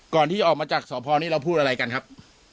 ที่ออกมาจากสพนี้เราพูดอะไรกันครับ